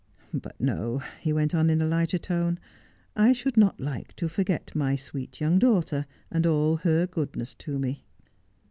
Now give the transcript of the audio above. ' But no,' he went on in a lighter tone, ' I should not like to forget my sweet young daughter, and all her goodness to me.'